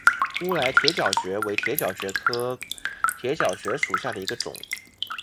乌来铁角蕨为铁角蕨科铁角蕨属下的一个种。